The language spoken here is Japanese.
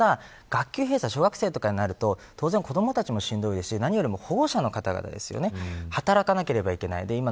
学級閉鎖、小学生になると子どもたちもしんどいですし何より保護者の方が働かなければいけない。